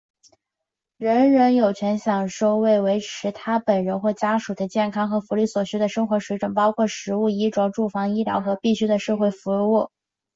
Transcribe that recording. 人人有权享受为维持他本人和家属的健康和福利所需的生活水准,包括食物、衣着、住房、医疗和必要的社会服务;在遭到失业、疾病、残废、守寡、衰老或在其他不能控制的情况下丧失谋生能力时,有权享受保障。